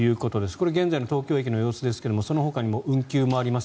これは現在の東京駅の様子ですがそのほかも、運休もあります